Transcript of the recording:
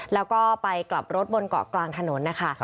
แล้วก็ไปกลับรถบนเกาะกลางถนนนะคะ